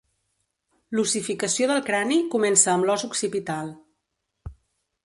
L'ossificació del crani comença amb l'os occipital.